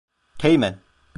Teğmen!